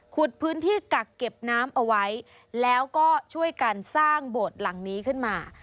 พื้นที่กักเก็บน้ำเอาไว้แล้วก็ช่วยกันสร้างโบสถ์หลังนี้ขึ้นมา